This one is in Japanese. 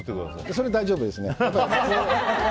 それ大丈夫ですね。